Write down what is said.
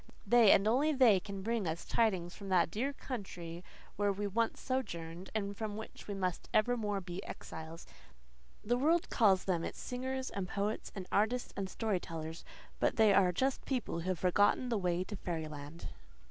They, and only they, can bring us tidings from that dear country where we once sojourned and from which we must evermore be exiles. The world calls them its singers and poets and artists and story tellers; but they are just people who have never forgotten the way to fairyland.